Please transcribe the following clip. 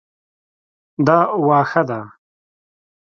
دا واښه ده